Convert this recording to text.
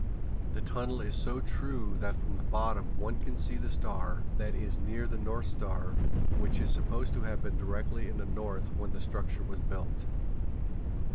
The tunnel is so true that from the bottom one can see the star, that is near the North Star, which is supposed to have been directly in the north when the structure was built.